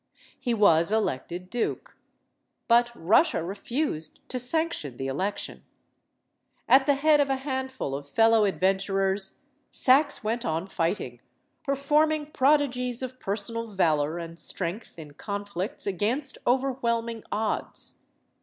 He was elected duke. But Russia refused to sanc tion the election. At the head of a handful of fellow adventurers, Saxe went on fighting; performing prodi gies of personal valor and strength in conflicts against overwhelming odds.